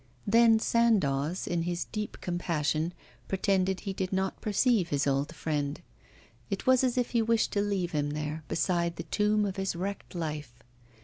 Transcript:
Then Sandoz, in his deep compassion, pretended he did not perceive his old friend; it was as if he wished to leave him there, beside the tomb of his wrecked life.